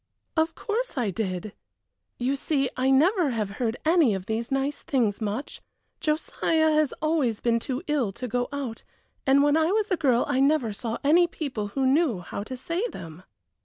"Of course I did; you see, I never have heard any of these nice things much. Josiah has always been too ill to go out, and when I was a girl I never saw any people who knew how to say them."